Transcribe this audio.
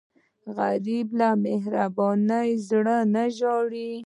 غریب له مهربان زړه نه ژاړي